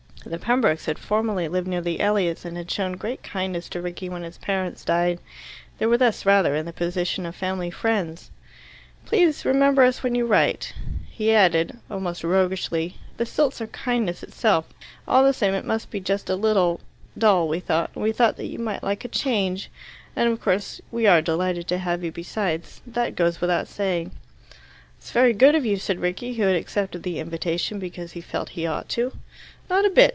The Pembrokes had formerly lived near the Elliots, and had shown great kindness to Rickie when his parents died. They were thus rather in the position of family friends. "Please remember us when you write." He added, almost roguishly, "The Silts are kindness itself. All the same, it must be just a little dull, we thought, and we thought that you might like a change. And of course we are delighted to have you besides. That goes without saying." "It's very good of you," said Rickie, who had accepted the invitation because he felt he ought to. "Not a bit.